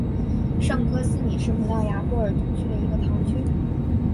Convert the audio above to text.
圣科斯米是葡萄牙波尔图区的一个堂区。